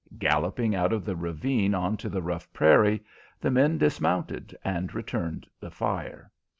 Galloping out of the ravine on to the rough prairie, the men dismounted and returned the fire.